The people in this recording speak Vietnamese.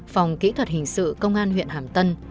phòng kỹ thuật hình sự công an huyện hàm tân